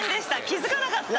気づかなかった。